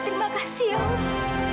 terima kasih ya allah